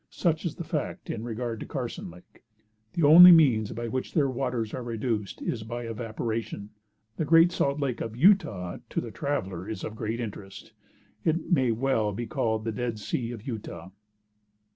Such is the fact in regard to Carson Lake. The only means by which their waters are reduced is by evaporation. The Great Salt Lake of Utah, to the traveler is of great interest. It may well be called the Dead Sea of Utah.